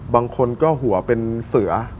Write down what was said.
บางคนก็หัวเป็นเสือ